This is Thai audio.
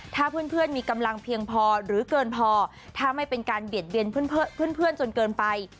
ถ้าเพื่อนมีกำลังเพียงพอหรือเกินพอถ้าไม่เป็นการเบียดเบียนเพื่อนจนเกินไป